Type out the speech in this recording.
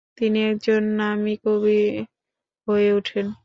তিনি একজন নামী কবি হয়ে ওঠেন।